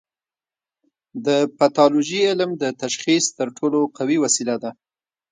د پیتالوژي علم د تشخیص تر ټولو قوي وسیله ده.